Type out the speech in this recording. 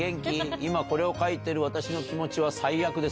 今これを書いてる私の気持ちは最悪です。